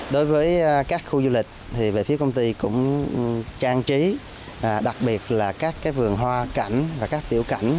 đối với các khu du lịch thì về phía công ty cũng trang trí đặc biệt là các vườn hoa cảnh và các tiểu cảnh